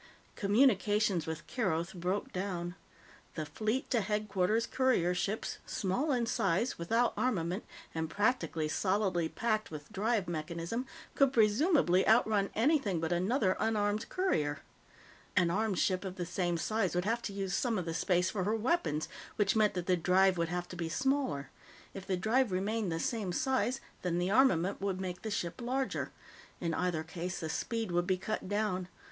Communications with Keroth broke down. The Fleet to Headquarters courier ships, small in size, without armament, and practically solidly packed with drive mechanism, could presumably outrun anything but another unarmed courier. An armed ship of the same size would have to use some of the space for her weapons, which meant that the drive would have to be smaller; if the drive remained the same size, then the armament would make the ship larger. In either case, the speed would be cut down.